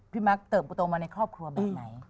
มักเติบโตมาในครอบครัวแบบไหน